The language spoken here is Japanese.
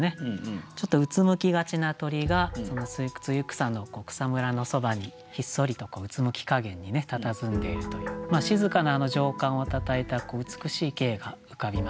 ちょっとうつむきがちな鳥が露草の草むらのそばにひっそりとうつむきかげんに佇んでいるという静かな情感をたたえた美しい景が浮かびます。